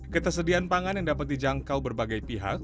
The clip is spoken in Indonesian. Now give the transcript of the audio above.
ketersediaan pangan yang dapat dijangkau berbagai pihak